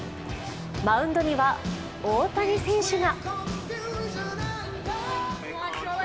マウンドには大谷選手が。